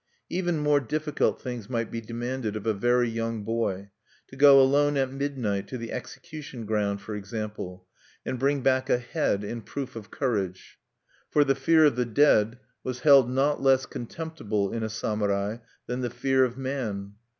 Even more difficult things might be demanded of a very young boy, to go alone at midnight to the execution ground, for example, and bring back a head in proof of courage. For the fear of the dead was held not less contemptible in a samurai than the fear of man.